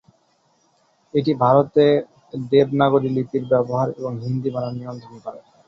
এটি ভারতে দেবনাগরী লিপির ব্যবহার এবং হিন্দি বানান নিয়ন্ত্রণ করে।